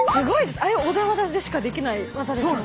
あれ小田原でしかできないワザですもんね。